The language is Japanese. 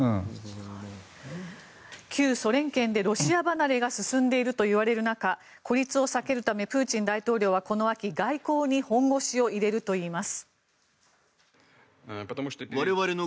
旧ソ連圏でロシア離れが進んでいるといわれる中、孤立を避けるためプーチン大統領はこの秋、外交に本腰を入れるといいます。